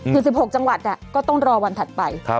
คือ๑๖จังหวัดก็ต้องรอวันถัดไป